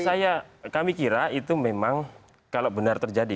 saya kami kira itu memang kalau benar terjadi